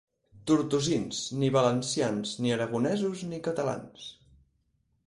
Tortosins: ni valencians, ni aragonesos, ni catalans.